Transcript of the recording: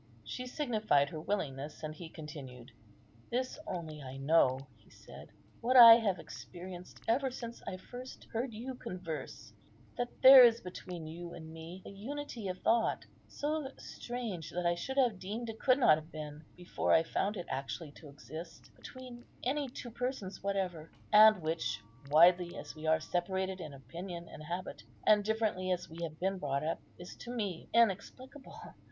She signified her willingness, and he continued—"This only I know," he said, "what I have experienced ever since I first heard you converse, that there is between you and me a unity of thought so strange that I should have deemed it could not have been, before I found it actually to exist, between any two persons whatever; and which, widely as we are separated in opinion and habit, and differently as we have been brought up, is to me inexplicable.